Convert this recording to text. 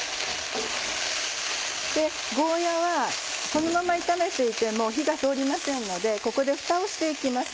ゴーヤはこのまま炒めていても火が通りませんのでここでふたをして行きます。